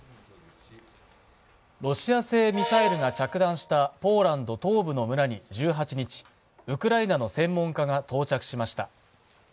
ロシア製ミサイルが着弾したポーランド東部の村に１８日ウクライナの専門家が到着しました。